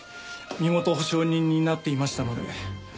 身元保証人になっていましたので。